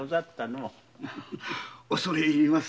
恐れ入ります。